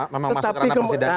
memang masuk rana persidangan